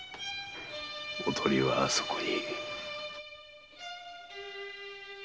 おとりはあそこに。